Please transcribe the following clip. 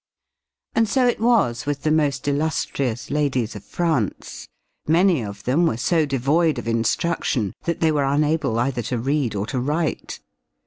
And so it was with the most illustrious ladies of France. Many of them were so devoid of instruction that they were unable either to read or to write.